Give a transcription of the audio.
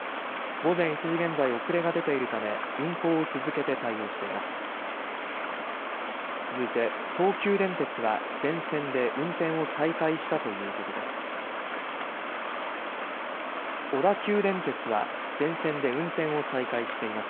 午前１時現在遅れが出ているため運行を続けて対応しています。